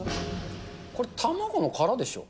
これ、卵の殻でしょう。